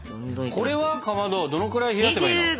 これはかまどどのくらい冷やせばいいの？